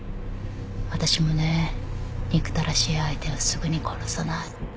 私もね憎たらしい相手はすぐに殺さない。